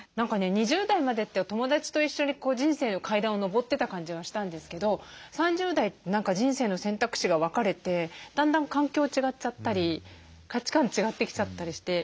２０代までって友だちと一緒に人生の階段を上ってた感じがしたんですけど３０代何か人生の選択肢が分かれてだんだん環境違っちゃったり価値観違ってきちゃったりして。